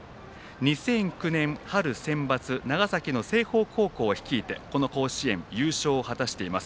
２００９年春センバツ長崎の清峰高校を率いてこの甲子園優勝を果たしています。